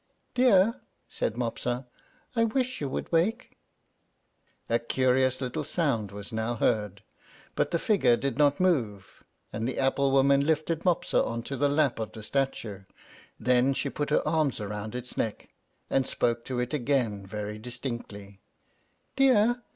"Dear," said Mopsa, "I wish you would wake." A curious little sound was now heard, but the figure did not move, and the apple woman lifted Mopsa on to the lap of the statue; then she put her arms round its neck, and spoke to it again very distinctly: "Dear!